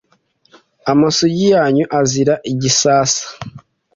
Amasugi yanyu azira igisasa!